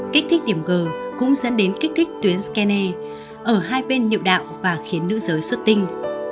kích thích điểm g cũng dẫn đến kích thích tuyến skene ở hai bên nhậu đạo và khiến nữ giới xuất tinh